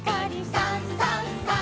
「さんさんさん」